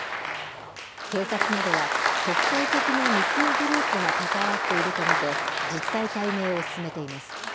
警察などは国際的な密輸グループが関わっていると見て実態解明を進めています。